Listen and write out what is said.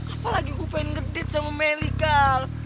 apalagi kupengen ngedate sama meli kal